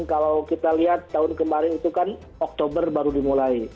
kalau kita lihat tahun kemarin itu kan oktober baru dimulai